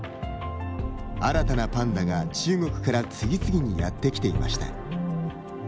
新たなパンダが中国から次々にやって来ていました。